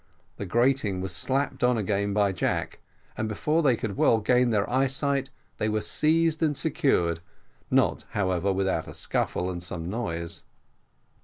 The grating was slapped on again by Jack, and before they could well gain their eyesight, they were seized and secured, not, however, without a scuffle and some noise.